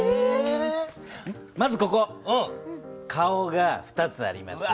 まずここ顔が２つあります。